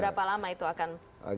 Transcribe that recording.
berapa lama itu akan memakan waktu